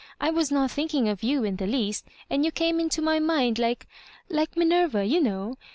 I was not thinking of you in the least, and you came into my mind like^ like Minerva, you know.